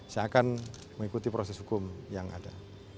saya akan mengikuti proses hukum yang ada